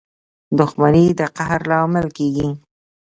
• دښمني د قهر لامل کېږي.